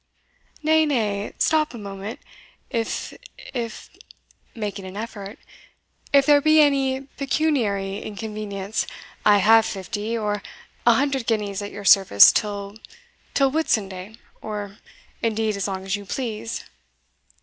"Nay, nay stop a moment. If if " (making an effort) "if there be any pecuniary inconvenience I have fifty or a hundred guineas at your service till till Whitsunday or indeed as long as you please."